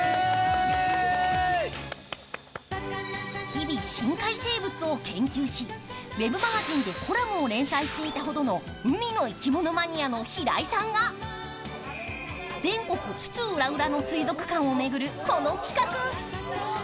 日々、深海生物を研究しＷｅｂマガジンでコラムを連載していたほどの海の生き物マニアの平井さんが、全国津々浦々の水族館を巡るこの企画。